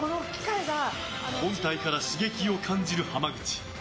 本体から刺激を感じる浜口。